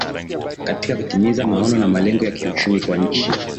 katika kutimiza maono na malengo ya kiuchumi kwa nchi